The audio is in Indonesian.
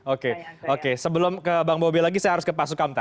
oke oke sebelum ke bang bobi lagi saya harus ke pak sukamta